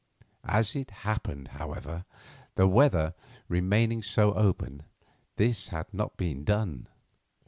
As it happened, however, the weather remaining so open, this had not been done.